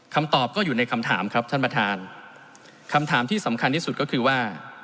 คำตอบก็อยู่ในคำถามครับท่านประธานคำถามที่สำคัญที่สุดก็คือว่า